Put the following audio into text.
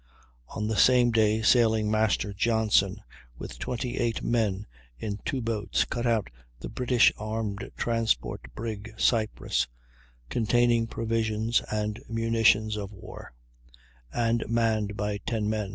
On the same day Sailing master Johnson, with 28 men in two boats, cut out the British armed transport brig Cyprus, containing provisions and munitions of war, and manned by ten men.